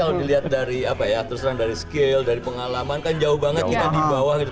kalau dilihat dari apa ya terus terang dari skill dari pengalaman kan jauh banget kita di bawah gitu